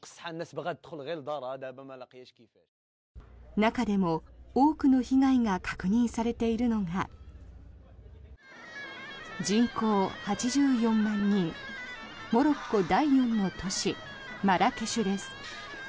中でも多くの被害が確認されているのが人口８４万人モロッコ第４の都市マラケシュです。